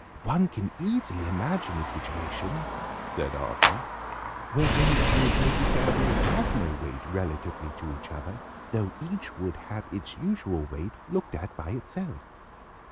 "One can easily imagine a situation," said Arthur, "where things would necessarily have no weight, relatively to each other, though each would have its usual weight, looked at by itself."